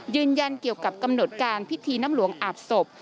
ยืนยันเกี่ยวกับกำหนดการพิธีน้ำหลวงอาบศพ